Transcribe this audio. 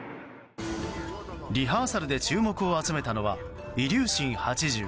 リハーサルで注目を集めたのはイリューシン８０。